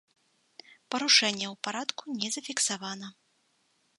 Парушэнняў парадку не зафіксавана.